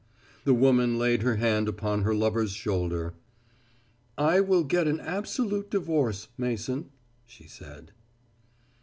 The woman laid her hand upon her lover's shoulder. "I will get an absolute divorce, Mason," she said.